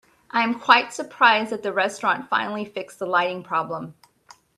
I am quite surprised that the restaurant finally fixed the lighting problem.